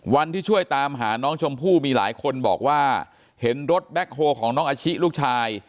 วันที่ช่วยตามหาน้องชมพู่มีหลายคนบอกว่าเห็นรถแบ็คโฮลของน้องอาชิลูกชาย